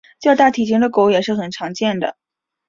较大体型的狗也是很常见的。